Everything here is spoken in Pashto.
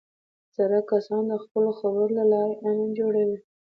زاړه کسان د خپلو خبرو له لارې امن جوړوي